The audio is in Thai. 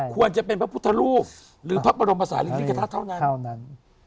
ควรจะเป็นพระพุทธรูปหรือพระบรมศาลินิกษาธาตุเท่านั้น